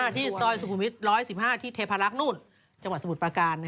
ที่ซอยสุภุมิตร๑๑๕ที่เทพลักษณ์จังหวัดสมุทรประการ